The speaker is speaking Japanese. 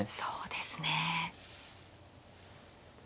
そうですね。